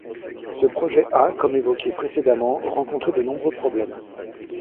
Ce projet a, comme évoqué précédemment, rencontré de nombreux problèmes.